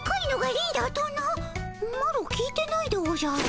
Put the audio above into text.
マロ聞いてないでおじゃる。